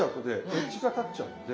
エッジが立っちゃうんで。